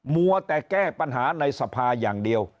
มัวแต่แก้ปัญหาในสภาอย่างเดียว